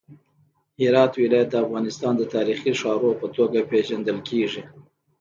هرات ولایت د افغانستان د تاریخي ښارونو په توګه پیژندل کیږي.